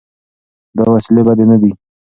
دا وسیلې بدې نه دي.